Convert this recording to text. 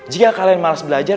jika kalian malas belajar